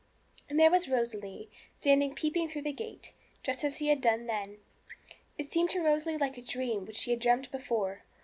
And there was Rosalie, standing peeping through the gate, just as she had done then. It seemed to Rosalie like a dream which she had dreamt before.